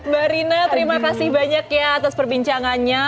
mbak rina terima kasih banyak ya atas perbincangannya